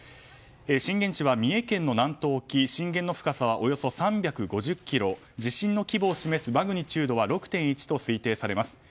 震源地は三重県の南東沖震源の深さはおよそ３５０ｋｍ地震の規模を示すマグニチュードは６．１と推定されます。